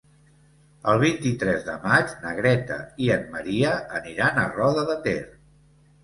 El vint-i-tres de maig na Greta i en Maria aniran a Roda de Ter.